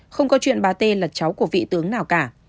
không có chuyện bà t là cháu của vị tướng nào cả